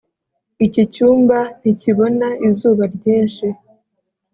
iki cyumba ntikibona izuba ryinshi.